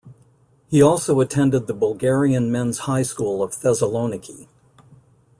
He also attended the Bulgarian Men's High School of Thessaloniki.